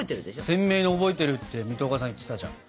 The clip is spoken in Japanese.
鮮明に覚えてるって水戸岡さん言ってたじゃん。